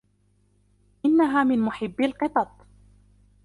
إنها من محبي القطط.